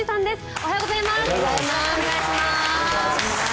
おはようございます。